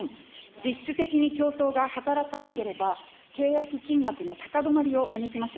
実質的に競争が働かなければ、契約金額の高止まりを招きます。